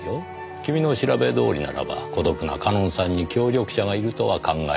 君の調べどおりならば孤独な夏音さんに協力者がいるとは考えにくい。